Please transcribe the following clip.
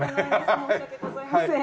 申し訳ございません。